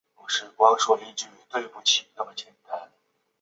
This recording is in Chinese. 医源病。